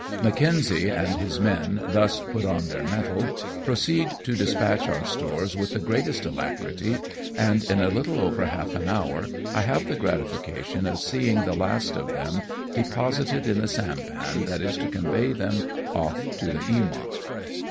Mackenzie and his men, thus put on their metal, proceed to dispatch our stores with the greatest alacrity, and in a little over half an hour I have the gratification of seeing the last of them deposited in the sampan that is to convey them ofi' to the Eamont.